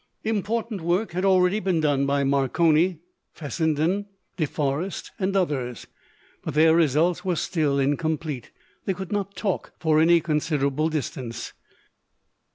Important work had already been done by Marconi, Fessenden, De Forest, and others. But their results were still incomplete; they could not talk for any considerable distance.